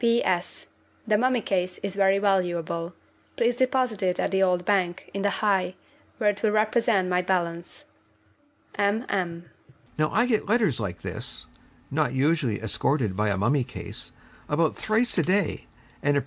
'P.S. The mummy case is very valuable. Please deposit it at the Old Bank, in the High, where it will represent my balance. 'M. M.'